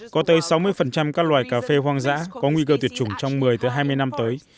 có tới sáu mươi các loài cà phê hoang dã có nguy cơ tuyệt chủng trong một mươi hai mươi năm tới